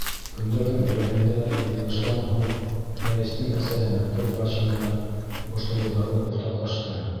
Көндәрҙең береһендә, йыйылыштан һуң, Рәйестең әсәһе мәктәп врачы менән борсолоуҙарын уртаҡлашты.